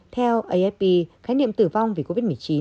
theo afp khái niệm tử vong vì covid một mươi chín mà rostat cho biết